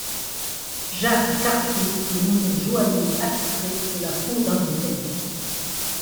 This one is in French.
Jacques Cartier est nommé joaillier attitré de la cour d'Angleterre.